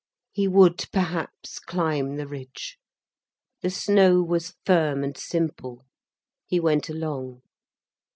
He would perhaps climb the ridge. The snow was firm and simple. He went along.